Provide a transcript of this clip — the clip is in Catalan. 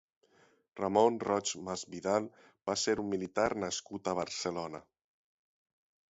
Ramon Roig Masvidal va ser un militar nascut a Barcelona.